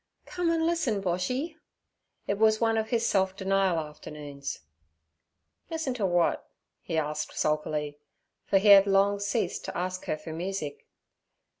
'Come and listen, Boshy.' It was one of his self denial afternoons. 'Listen to w'at?' he asked sulkily, for he had long ceased to ask her for music.